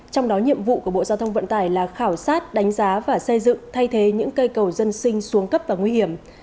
trong đó nhiệm vụ của bộ giao thông vận tải là khảo sát đánh giá và xây dựng thay thế những cây cầu dân sinh xuống cấp và nguy hiểm